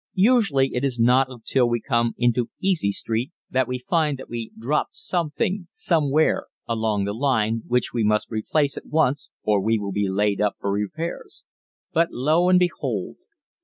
Usually it is not until we come into "Easy Street" that we find that we dropped something somewhere along the line which we must replace at once or we will be laid up for repairs. But lo and behold!